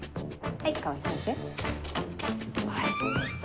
はい。